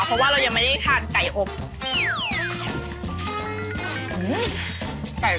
เพราะว่าเรายังไม่ได้ทานไก่อบ